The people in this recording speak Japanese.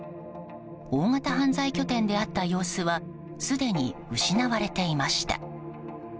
大型犯罪拠点であった様子はすでに失われていました。